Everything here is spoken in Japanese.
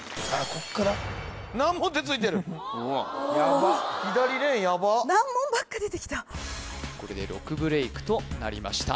ここから左レーンヤバッ難問ばっか出てきたこれで６ブレイクとなりました